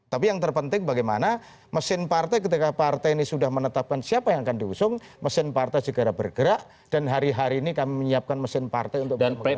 tapi yang terpenting bagaimana mesin partai ketika partai ini sudah menetapkan siapa yang akan diusung mesin partai segera bergerak dan hari hari ini kami menyiapkan mesin partai untuk pemerintah